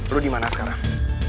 lo dimana sekarang